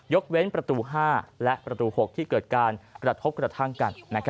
เว้นประตู๕และประตู๖ที่เกิดการกระทบกระทั่งกัน